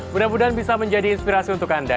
mudah mudahan bisa menjadi inspirasi untuk anda